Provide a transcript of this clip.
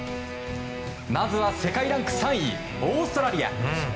まずは世界ランク３位オーストラリア。